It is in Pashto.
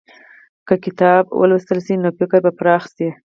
که کتاب ولوستل شي، نو فکر به پراخ شي.